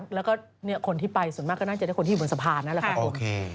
แล้วก็คนที่ไปส่วนมากก็น่าจะได้คนที่อยู่บนสะพานนั่นแหละค่ะโอเค